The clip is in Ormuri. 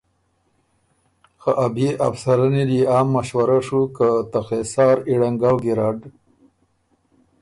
خه ا بئے افسرنّی ليې آ مشورۀ ڒُوک که ته خېسار ای ړنګؤ ګېرډ